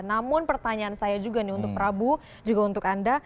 namun pertanyaan saya juga nih untuk prabu juga untuk anda